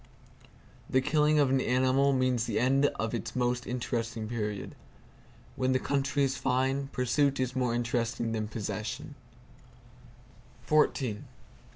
The killing of an animal means the end of its most interesting period. When the country is fine, pursuit is more interesting than possession.